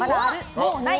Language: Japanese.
もうない？